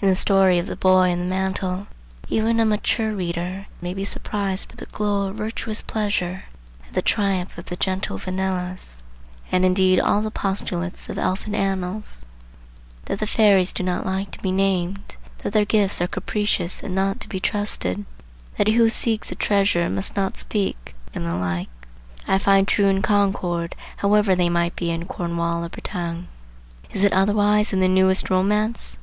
In the story of the Boy and the Mantle even a mature reader may be surprised with a glow of virtuous pleasure at the triumph of the gentle Venelas; and indeed all the postulates of elfin annals,—that the fairies do not like to be named; that their gifts are capricious and not to be trusted; that who seeks a treasure must not speak; and the like,—I find true in Concord, however they might be in Cornwall or Bretagne. Is it otherwise in the newest romance?